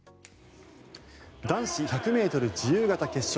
男子１００ｍ自由形決勝。